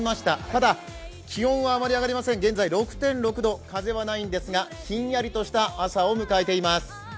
ただ、気温はあまり上がりません、現在６．６度風はないんですが、ひんやりとした朝を迎えています。